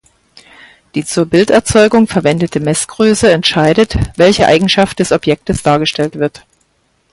Die zur Bilderzeugung verwendete Messgröße entscheidet, welche Eigenschaft des Objektes dargestellt wird.